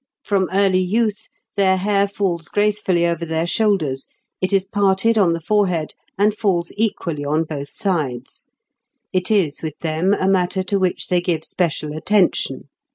From early youth their hair falls gracefully over their shoulders, it is parted on the forehead, and falls equally on both sides; it is with them a matter to which they give special attention."